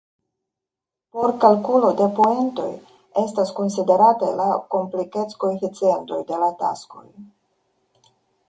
Por kalkulo de poentoj estas konsiderataj la komplikec-koeficientoj de la taskoj.